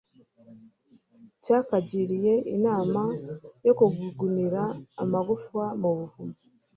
Cyakagiriye inama yo kugugunira amagufa mu buvumo